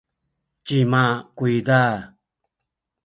cima kuyza?